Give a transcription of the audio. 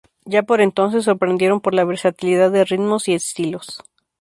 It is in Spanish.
Ya por entonces sorprendieron por la versatilidad de ritmos y estilos.